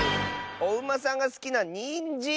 おうまさんがすきなニンジン！